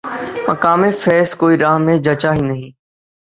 مقام فیضؔ کوئی راہ میں جچا ہی نہیں